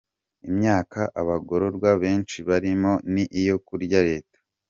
Imyaka abagororwa benshi barimo ni iyo kurya leta.